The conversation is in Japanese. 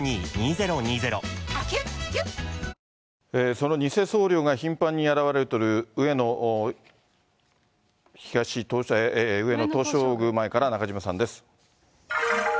その偽僧侶が頻繁に現れている上野東照宮前から中島さんです。